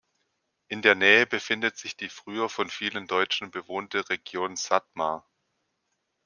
In der Nähe befindet sich die früher von vielen Deutschen bewohnte Region Sathmar.